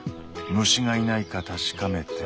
虫がいないか確かめて。